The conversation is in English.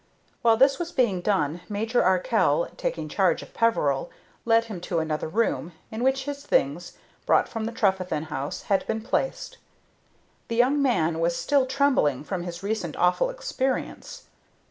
While this was being done, Major Arkell, taking charge of Peveril, led him to another room, in which his things, brought from the Trefethen house, had been placed. The young man was still trembling from his recent awful experience.